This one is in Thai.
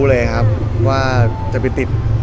ไม่รู้เลยครับว่าจะไปติด